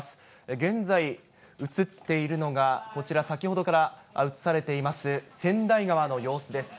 現在、映っているのが、こちら、先ほどから映されています川内川の様子です。